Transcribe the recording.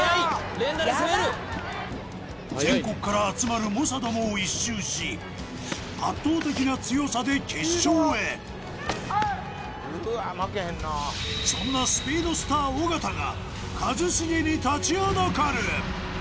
連打で攻める全国から集まる猛者どもを一蹴し圧倒的な強さで決勝へそんなスピードスター尾形が一茂に立ちはだかる！